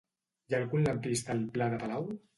Hi ha algun lampista al pla de Palau?